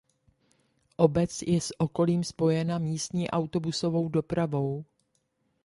Obec je s okolím spojena místní autobusovou dopravou.